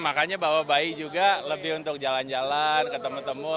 makanya bawa bayi juga lebih untuk jalan jalan ketemu temu